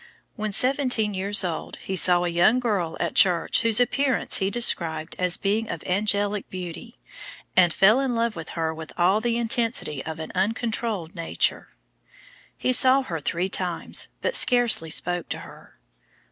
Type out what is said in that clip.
When seventeen years old he saw a young girl at church whose appearance he described as being of angelic beauty, and fell in love with her with all the intensity of an uncontrolled nature. He saw her three times, but scarcely spoke to her.